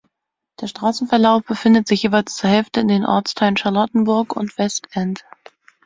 Der Straßenverlauf befindet sich jeweils zur Hälfte in den Ortsteilen Charlottenburg und Westend.